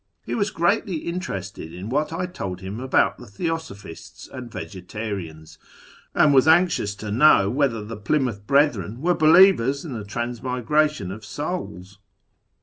He was greatly interested in what I told him about the Theoso phists and Vegetarians, and was anxious to know whether I phe Plymouth Brethren were believers in the transmigration )f souls